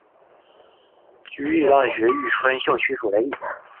驹泽大学玉川校区所在地。